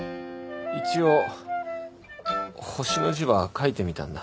一応「星」の字は書いてみたんだ。